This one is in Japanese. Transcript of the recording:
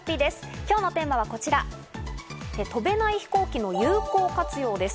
今日のテーマはこちら、飛べない飛行機の有効活用です。